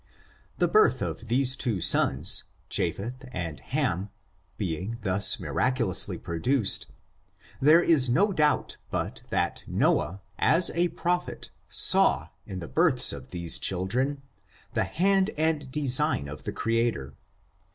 The birth of those two sons, Japheth and Ham, being thus miraculously produced, there is no doubt but that Noah, as a prophet, saw, in the births of FORTUNES, OF THE NEGRO RACE. 41 these children, the hand and design of the Creator.